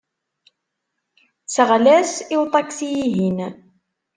Sɣel-as i uṭaksi-ihin.